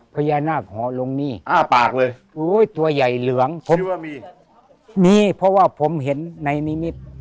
พญานาคหอลงนี่อ้าปากเลยโอ้ยตัวใหญ่เหลืองผมคิดว่ามีมีเพราะว่าผมเห็นในนิมิตร